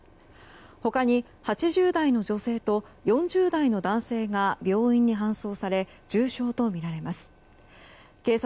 他に８０代の女性と４０代の男性が病院に搬送され重傷とみられます。